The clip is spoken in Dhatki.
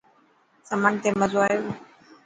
سمنڊ تي مزو آيو.